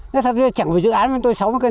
nói thật chẳng phải dự án với tôi sáu mươi cân